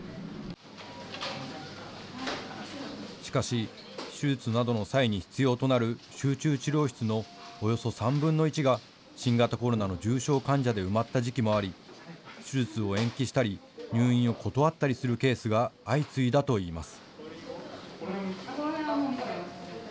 しかし手術などの際に必要となる集中治療室のおよそ３分の１が新型コロナの重症患者で埋まった時期もあり、手術を延期したり入院を断ったりするケースが相次いだといいます。